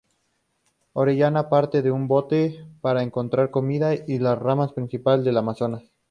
Orellana parte en un bote para encontrar comida y la rama principal del Amazonas.